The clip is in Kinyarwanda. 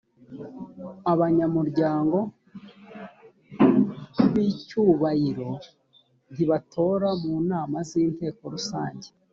abanyamuryango b’icyubairo ntibatora mu nama z’inteko rusange